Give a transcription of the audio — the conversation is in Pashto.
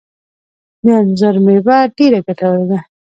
د انځر مېوه ډیره ګټوره ده